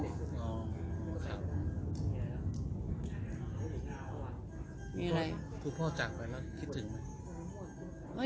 ครับมีอะไรพูดพ่อจากไปแล้วคิดถึงไหม